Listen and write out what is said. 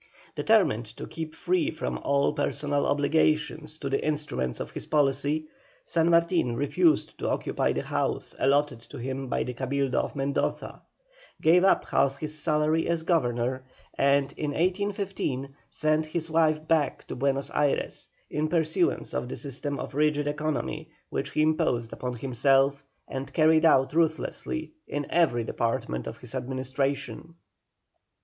Determined to keep free from all personal obligations to the instruments of his policy, San Martin refused to occupy the house allotted to him by the Cabildo of Mendoza, gave up half his salary as Governor, and, in 1815, sent his wife back to Buenos Ayres in pursuance of the system of rigid economy which he imposed upon himself and carried out ruthlessly in every department of his administration.